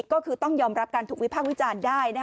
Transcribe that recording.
ก็คือต้องยอมรับการถูกวิพากษ์วิจารณ์ได้